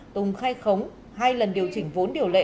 tùng khai khống hai lần điều chỉnh vốn điều lệ